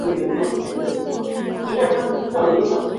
该反应是通氢气于悬浮有催化剂的酰氯溶液中来进行。